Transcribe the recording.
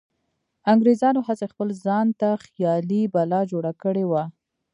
انګریزانو هسې خپل ځانته خیالي بلا جوړه کړې وه.